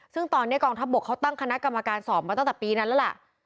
ซึ่งตอนนี้กองทัพบกเขาตั้งคณะกรรมการสอบมาตั้งแต่ปีนั้นแล้วล่ะ